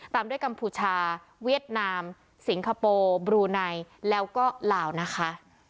ตามด้วยกัมพูชาเวียดนามสิงคโปร์บลูไนแล้วก็ลาวนะคะ